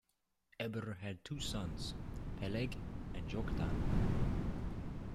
Eber had two sons: Peleg and Joktan.